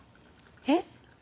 えっ？